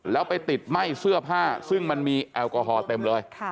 แล้วไปติดไหม้เสื้อผ้าซึ่งมันมีแอลกอฮอล์เต็มเลย